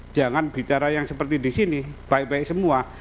jangan bicara yang seperti di sini baik baik semua